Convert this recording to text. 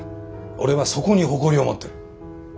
俺はそこに誇りを持ってる。